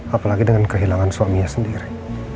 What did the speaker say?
apalagi dengan kehilangan suaminya sendiri